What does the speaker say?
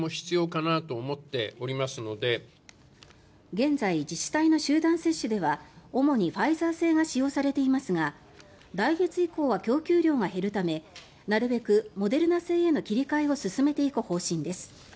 現在、自治体の集団接種では主にファイザー製が使用されていますが来月以降は供給量が減るためなるべくモデルナ製への切り替えを進めていく方針です。